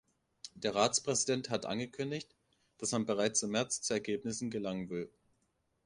Der Ratspräsident hat angekündigt, dass man bereits im März zu Ergebnissen gelangen will.